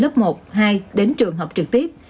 lớp một hai đến trường học trực tiếp